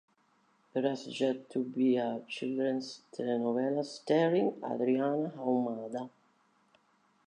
There has yet to be a children's telenovela starring Adriana Ahumada.